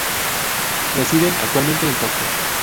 Residen actualmente en Tokio.